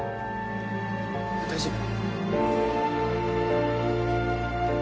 大丈夫？